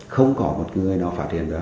không có một người nào phát hiện ra